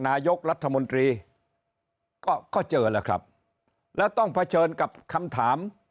นายกรัฐมนตรีก็ก็เจอแล้วครับแล้วต้องเผชิญกับคำถาม